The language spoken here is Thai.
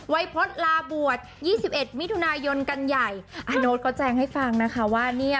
วัยพจน์ลาบวช๒๑มิถุนายนกันใหญ่อาโน้ตก็แจงให้ฟังนะคะว่าเนี่ย